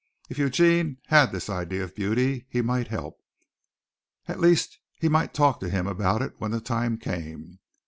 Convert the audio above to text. If Eugene had this idea of beauty he might help. At least he might talk to him about it when the time came.